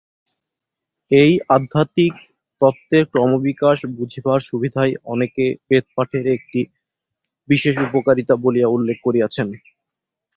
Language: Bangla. এই আধ্যাত্মিক তত্ত্বের ক্রমবিকাশ বুঝিবার সুবিধাই অনেকে বেদপাঠের একটি বিশেষ উপকারিতা বলিয়া উল্লেখ করিয়াছেন।